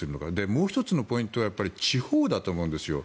もう１つのポイントは地方だと思うんですよ。